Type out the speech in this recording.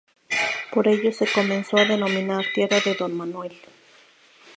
Por ello se comenzó a denominar "Tierra de don Manuel".